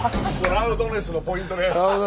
ラウドネスのポイント。